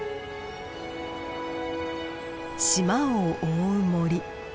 島を覆う森。